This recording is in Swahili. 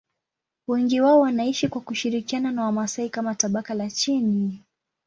Wengi wao wanaishi kwa kushirikiana na Wamasai kama tabaka la chini.